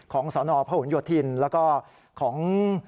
ของสอนอเภาหุ่นยอทินแล้วก็ของ